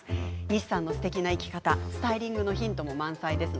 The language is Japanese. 西さんのすてきな生き方スタイリングのヒントも満載です。